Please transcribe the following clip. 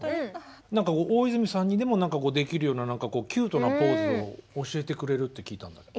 何か大泉さんにでもできるようなキュートなポーズを教えてくれるって聞いたんだけど。